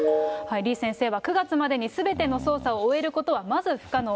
李先生は９月までにすべての捜査を終えることはまず不可能。